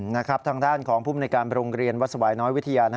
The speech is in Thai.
นะครับทางด้านของภูมิในการโรงเรียนวัดสวายน้อยวิทยา